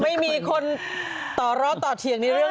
ไม่มีคนต่อเตียงในเรื่องนี้